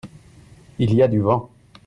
il y a du vent.